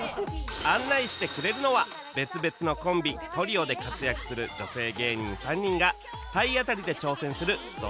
案内してくれるのは別々のコンビトリオで活躍する女性芸人３人が体当たりで挑戦するド